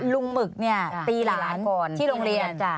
ลุงหมึกเนี่ยตีหลานที่โรงเรียน